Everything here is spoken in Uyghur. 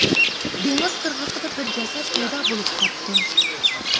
دېڭىز قىرغىقىدا بىر جەسەت پەيدا بولۇپ قاپتۇ.